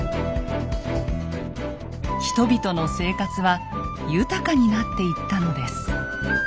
人々の生活は豊かになっていったのです。